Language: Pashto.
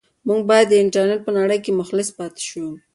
موږ باید د انټرنيټ په نړۍ کې مخلص پاتې شو.